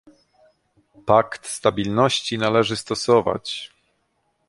pakt stabilności należy stosować